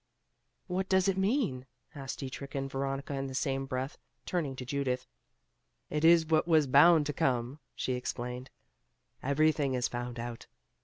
"What does it mean?" asked Dietrich and Veronica in the same breath, turning to Judith. "It is what was bound to come," she explained. "Everything is found out.